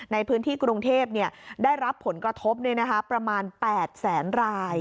ในพื้นที่กรุงเทพได้รับผลกระทบประมาณ๘แสนราย